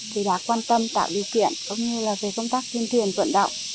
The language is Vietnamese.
thì đã quan tâm tạo điều kiện cũng như là về công tác tuyên truyền vận động